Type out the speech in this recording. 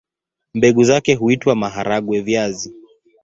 Mbegu zake huitwa maharagwe-viazi.